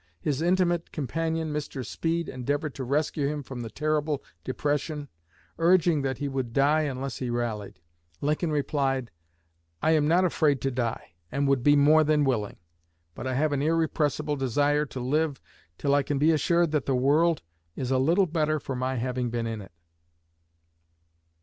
His intimate companion, Mr. Speed, endeavored to rescue him from the terrible depression, urging that he would die unless he rallied. Lincoln replied, "I am not afraid to die, and would be more than willing. But I have an irrepressible desire to live till I can be assured that the world is a little better for my having been in it."